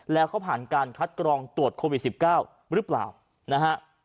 แล้วเขาผ่านการคัดกรองตรวจโควิด๑๙หรือเปล่านะฮะ